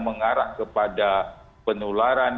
mengarah kepada penularan